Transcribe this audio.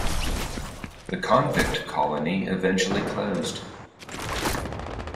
The convict colony eventually closed.